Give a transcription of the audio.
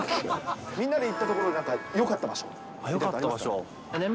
みんなで行った所でよかったよかった場所？